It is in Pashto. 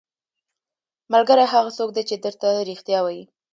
ملګری هغه څوک دی چې درته رښتیا وايي.